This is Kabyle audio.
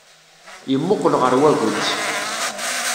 Yemmuqqel ɣer wagens.